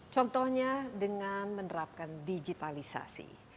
contohnya dengan menerapkan digitalisasi